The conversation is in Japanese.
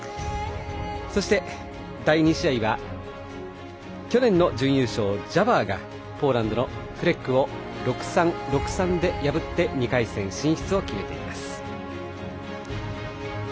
そして、第２試合は去年の準優勝ジャバーがポーランドのフレックを６−３、６−３で破って２回戦進出を決めています。